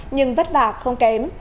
nhưng vất vả không kém